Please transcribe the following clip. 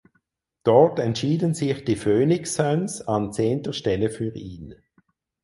Dort entschieden sich die Phoenix Suns an zehnter Stelle für ihn.